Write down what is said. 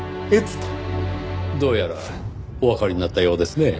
どうやらおわかりになったようですね。